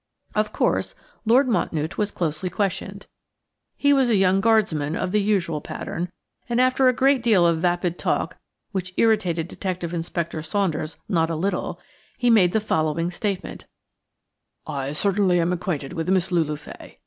Of course, Lord Mountnewte was closely questioned. He was a young Guardsman of the usual pattern, and, after a great deal of vapid talk which irritated Detective Inspector Saunders not a little, he made the following statement– "I certainly am acquainted with Miss Lulu Fay.